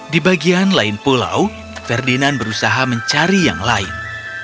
di bagian lain pulau ferdinand berusaha mencari yang lain